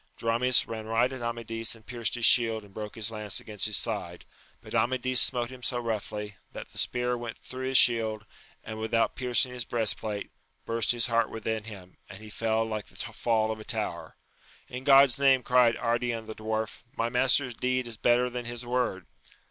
Dramis ran right at Amadis 1 238 • AMADIS OF GAUL. and pierced his shield and broke his lance against his side ; but Amadis smote him so roughly, that the spear went through his shield, and, without piercing his breast plate, burst his heart within him, and he fell like the fall of a tower. In God's name, cried Ardian the Dwarf, my master's deed is better than his word